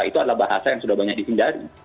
itu adalah bahasa yang sudah banyak dihindari